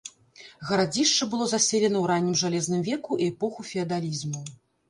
Гарадзішча было заселена ў раннім жалезным веку і эпоху феадалізму.